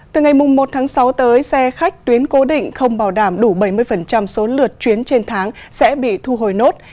từ ngày một tháng sáu tới xe khách tuyến cố định không bảo đảm đủ bảy mươi số lượt chuyến trên tháng sẽ bị thu hồi nốt